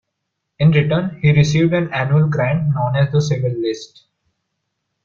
In return, he received an annual grant known as the Civil list.